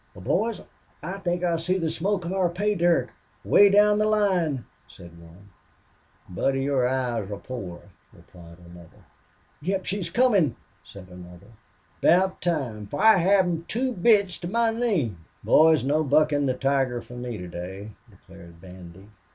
"Well, boys, I think I see the smoke of our pay dirt, way down the line," said one. "Bandy, your eyes are pore," replied another. "Yep, she's comin'," said another. "'Bout time, for I haven't two bits to my name." "Boys, no buckin' the tiger for me to day," declared Bandy.